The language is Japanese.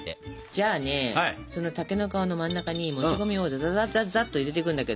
じゃあねその竹の皮の真ん中にもち米をざざざざざっと入れていくんだけど。